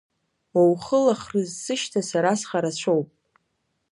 Уоухылахрыз сышьҭа сара схарацәоуп.